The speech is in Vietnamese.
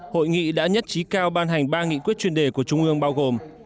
hội nghị đã nhất trí cao ban hành ba nghị quyết chuyên đề của trung ương bao gồm